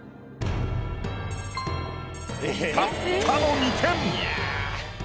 たったの２点。